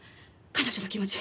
彼女の気持ち